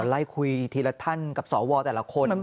ไล่คุยทีละท่านกับสวแต่ละคน